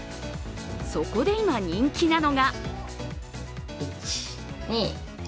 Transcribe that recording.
そこで今、人気なのが。